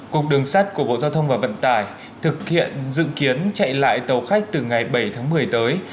cục đường sắt của bộ giao thông và vận tải thực hiện dự kiến chạy lại tàu khách từ ngày bảy tháng một mươi tới